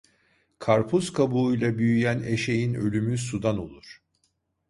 Karpuz kabuğuyla büyüyen eşeğin ölümü sudan olur.